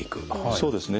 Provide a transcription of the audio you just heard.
そうですね。